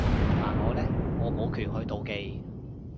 但我呢？我冇權去妒忌